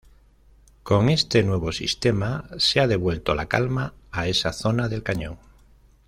Con este nuevo sistema, se ha devuelto la calma a esa zona del cañón.